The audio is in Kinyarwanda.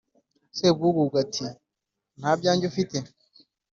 sebwugugu ati: "nta byanjye ufite